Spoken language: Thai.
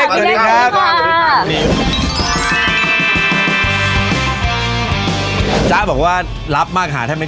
มาเปิดร้านหนีเจ้าพี่ไหมตรงนี้